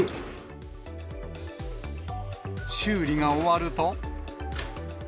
修理が終わると。